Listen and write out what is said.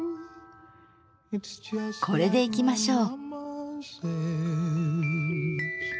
これでいきましょう。